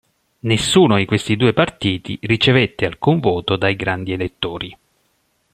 Nessuno di questi due partiti ricevette alcun voto dai Grandi Elettori.